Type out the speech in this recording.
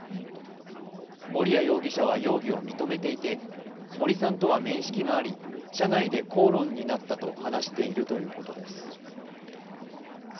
森谷容疑者は容疑を認めていて森さんとは面識があり車内で口論になったと話しているということです。